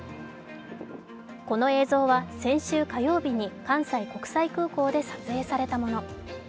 この映像は先週火曜日に関西国際空港で撮影されたもの。